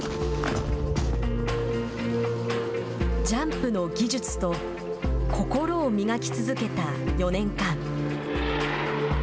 「ジャンプの技術」と「心」を磨き続けた４年間。